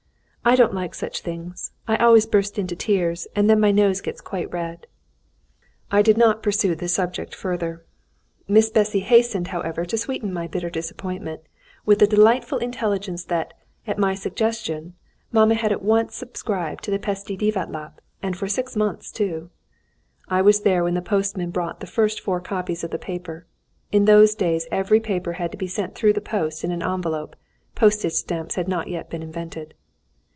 "I don't like such things. I always burst into tears; and then my nose gets quite red." I did not pursue the subject further. Miss Bessy hastened, however, to sweeten my bitter disappointment with the delightful intelligence that, at my suggestion, mamma had at once subscribed to the Pesti Divatlap, and for six months, too. I was there when the postman brought the first four copies of the paper. In those days every paper had to be sent through the post in an envelope, postage stamps had not yet been invented....